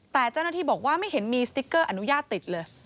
แต่เจ้าหน้าที่บอกว่าไม่เห็นมีสติ๊กเกอร์อนุญาตติดเลย